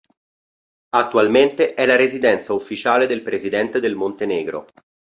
Attualmente è la residenza ufficiale del presidente del Montenegro.